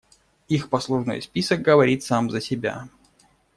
Их послужной список говорит сам за себя.